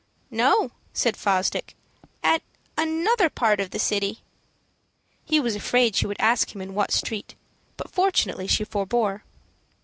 "No," said Fosdick; "at another part of the city." He was afraid she would ask him in what street, but fortunately she forbore.